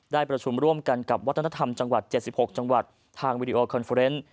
ได้ประชุมร่วมกันกับวัฒนธรรมจังหวัด๗๖จังหวัดทางวิดีโอคอนเฟอร์เนส